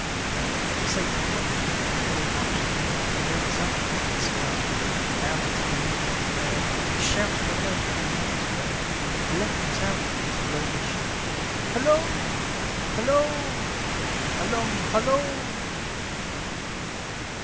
Tis eight o'clock, a clear March night, The moon is up the sky is blue, The owlet in the moonlight air, He shouts from nobody knows where; He lengthens out his lonely shout, Halloo! halloo! a long halloo!